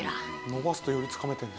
伸ばすとよりつかめてる。